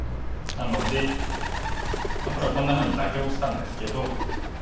なので黒はこんなふうに妥協したんですけど。